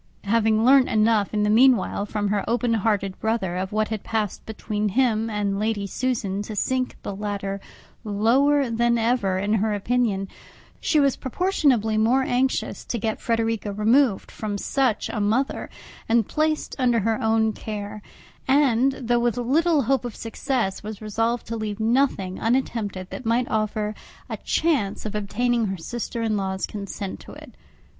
Having learnt enough, in the meanwhile, from her open hearted brother, of what had passed between him and Lady Susan to sink the latter lower than ever in her opinion, she was proportionably more anxious to get Frederica removed from such a mother, and placed under her own care; and, though with little hope of success, was resolved to leave nothing unattempted that might offer a chance of obtaining her sister in law's consent to it.